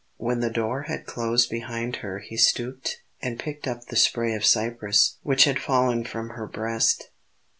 When the door had closed behind her he stooped and picked up the spray of cypress which had fallen from her breast.